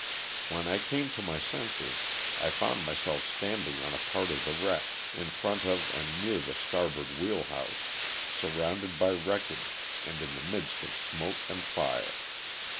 When I came to my senses I found myself standing on a part of the wreck, in front of and near the starboard wheel house, surrounded by wreckage,, and in the midst of smoke and fire.